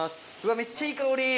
めっちゃいい香り。